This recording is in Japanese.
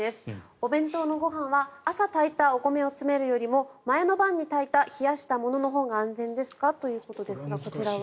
お弁当のご飯は朝炊いたお米を詰めるより前の晩に炊いた冷やしたものを詰めるほうが安全ですかということですがこちらは。